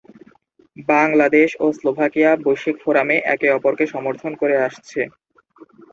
বাংলাদেশ ও স্লোভাকিয়া বৈশ্বিক ফোরামে একে অপরকে সমর্থন করে আসছে।